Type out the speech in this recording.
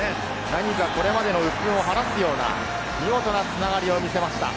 何かこれまでの鬱憤を晴らすような見事な繋がりを見せました。